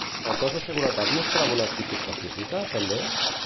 El cos de seguretat mostrava una actitud pacífica, també?